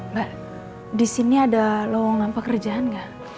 mbak disini ada lowongan pekerjaan gak